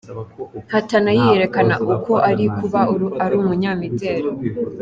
hatana yiyekerekana uko ari, kuba ari umunyamideli.